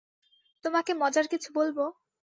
তোমাকে মজার কিছু বলবো?